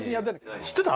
知ってた？